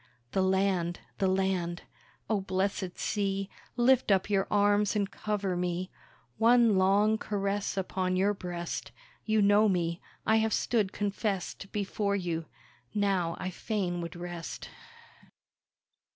The land! The land! Oh, blessed sea! Lift up your arms and cover me; One long caress upon your breast! You know me, I have stood confessed Before you, now I fain would rest.